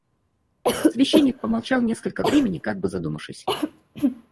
Священник помолчал несколько времени, как бы задумавшись.